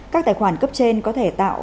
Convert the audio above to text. các tài khoản cấp trên có thể tạo